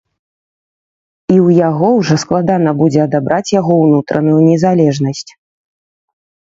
І ў яго ўжо складана будзе адабраць яго ўнутраную незалежнасць.